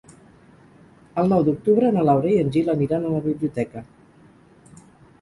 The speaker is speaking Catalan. El nou d'octubre na Laura i en Gil aniran a la biblioteca.